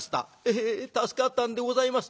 「ええ助かったんでございます」。